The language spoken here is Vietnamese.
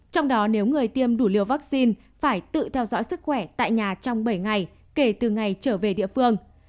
trong đó nếu người tiêm đủ liều vaccine phải tự theo dõi sức khỏe tại nhà trong bảy ngày kể từ ngày trở về địa phương